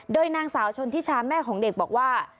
โดยนางสาวชนทิชาแม่ของเด็กบอกว่า